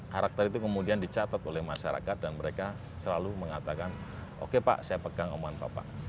karakter itu kemudian dicatat oleh masyarakat dan mereka selalu mengatakan oke pak saya pegang omongan bapak